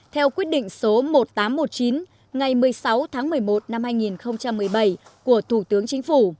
theo quyết định số một nghìn tám trăm một mươi chín ngày một mươi sáu tháng một mươi một năm hai nghìn một mươi bảy của thủ tướng chính phủ